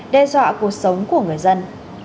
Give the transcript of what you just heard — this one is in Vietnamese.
đe dọa cuộc sống của người dân